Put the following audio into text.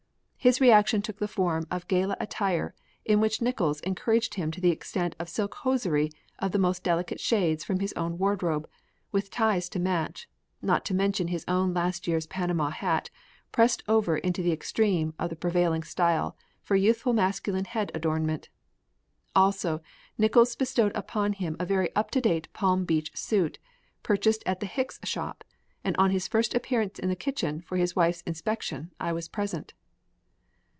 His reaction took the form of gala attire in which Nickols encouraged him to the extent of silk hosiery of the most delicate shades from his own wardrobe, with ties to match, not to mention his own last year's Panama hat, pressed over into the extreme of the prevailing style for youthful masculine head adornment. Also Nickols bestowed upon him a very up to date Palm Beach suit, purchased at the Hicks shop, and on his first appearance in the kitchen for his wife's inspection I was present.